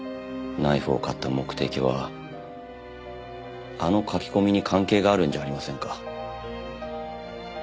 ナイフを買った目的はあの書き込みに関係があるんじゃありませんか？